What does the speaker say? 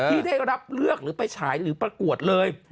ที่ได้รับเลือกหรือไปฉายหรือประกวดเลย